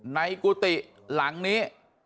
กุฏิหลังนี้